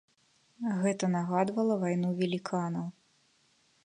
Гэта нагадвала вайну веліканаў.